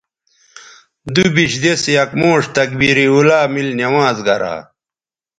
دوبیش دِس یک موݜ تکبیر اولیٰ میل نماز گرا